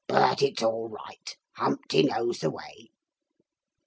'But it's all right. Humpty knows the way.'